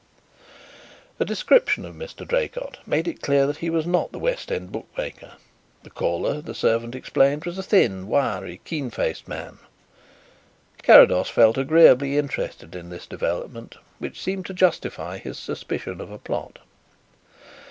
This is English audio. _" A description of Mr. Draycott made it clear that he was not the West End bookmaker. The caller, the servant explained, was a thin, wiry, keen faced man. Carrados felt agreeably interested in this development, which seemed to justify his suspicion of a plot.